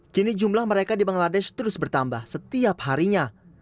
kini jumlah mereka di bangladesh terus bertambah setiap harinya